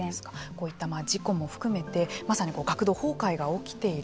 こういった事故も含めてまさに学童崩壊が起きている。